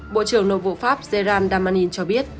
bộ trưởng nội vụ pháp zeran damanin cho biết